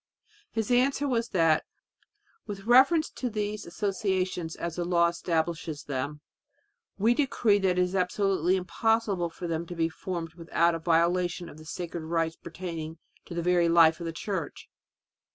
His answer was that "with reference to these associations as the law establishes them, we decree that it is absolutely impossible for them to be formed without a violation of the sacred rights pertaining to the very life of the Church."